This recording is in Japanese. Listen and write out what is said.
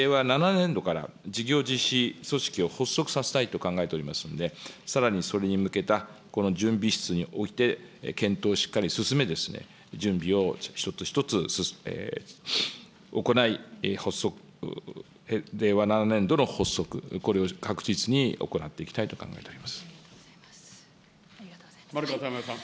さらに令和７年度から事業実施組織を発足させたいと考えておりますんで、さらにそれに向けた、この準備室において検討をしっかり進め、準備を一つ一つ行い、令和７年度の発足、これを確実に行っ丸川珠代さん。